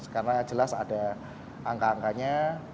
karena jelas ada angka angkanya